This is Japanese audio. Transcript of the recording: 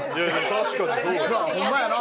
確かにそうやんな。